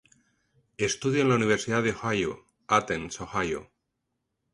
Estudia en la Universidad de Ohio, Athens, Ohio.